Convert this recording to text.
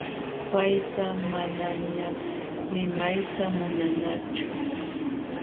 Payta manañaq limapayta munaañachu.